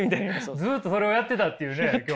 ずっとそれをやってたっていうね今日。